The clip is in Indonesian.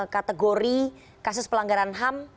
kategori kasus pelanggaran ham